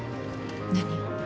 何？